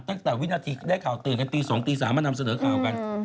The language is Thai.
ตั้งแต่วินาทีได้ข่าวตื่นกันตี๒ตี๓มานำเสนอข่าวกัน